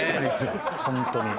本当に。